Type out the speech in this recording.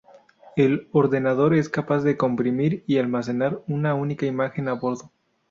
El ordenador es capaz de comprimir y almacenar una única imagen a bordo.